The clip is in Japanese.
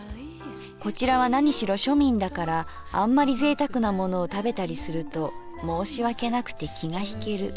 こちらは何しろ庶民だからあんまりぜいたくなものを食べたりすると申し訳なくて気がひける。